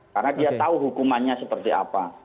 karena dia tahu hukumannya seperti apa